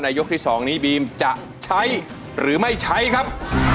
ยกที่๒นี้บีมจะใช้หรือไม่ใช้ครับ